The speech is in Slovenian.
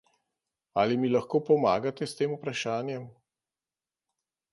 Ali mi lahko pomagate s tem vprašanjem?